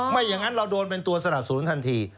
อย่างนั้นเราโดนเป็นตัวสนับสนุนทันที